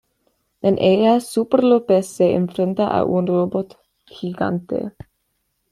En ella Superlópez se enfrenta a un robot gigante.